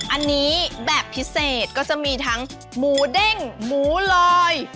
อันนี้แบบพิเศษก็จะมีทั้งหมูเด้งหมูลอย